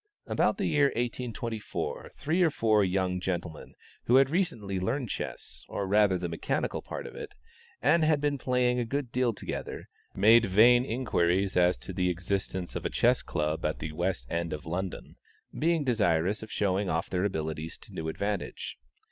About the year 1824, three or four young gentlemen who had recently learned chess, or rather the mechanical part of it, and had been playing a good deal together, made vain inquiries as to the existence of a Chess Club at the West End of London, being desirous of showing off their abilities to new advantage.